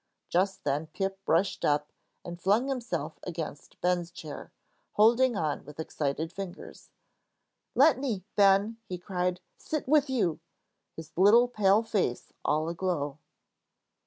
Just then Pip rushed up and flung himself against Ben's chair, holding on with excited fingers. "Let me, Ben," he cried, "sit with you!" his little pale face all aglow.